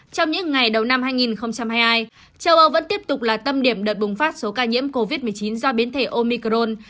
trong những ngày đầu năm hai nghìn hai mươi hai châu âu vẫn tiếp tục là tâm điểm đợt bùng phát số ca nhiễm covid một mươi chín do biến thể omicron